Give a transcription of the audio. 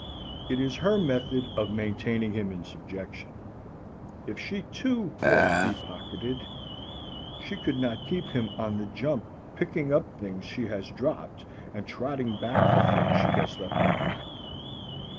It is her method of maintaining him in subjection. If she, too, were bepocketed, she could not keep him on the jump picking up things she has dropped and trotting back for things she has left behind.